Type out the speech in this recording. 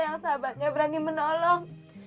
yang sahabatnya berani menolong